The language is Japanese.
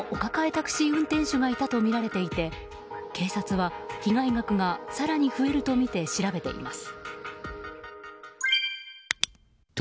タクシー運転手がいるとみられていて警察は被害額が更に増えるとみて調べています。